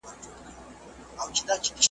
زما له قامه څخه هیري افسانې کړې د قرنونو .